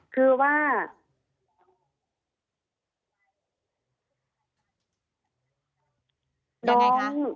อ๋อคือว่า